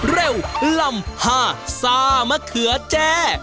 เร็วลำพาซ่ามะเขือแจ้